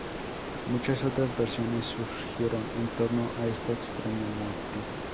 Muchas otras versiones surgieron en torno a esta extraña muerte.